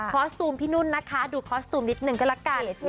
สตูมพี่นุ่นนะคะดูคอสตูมนิดนึงก็ละกัน